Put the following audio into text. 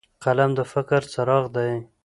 قلم د فکر څراغ دی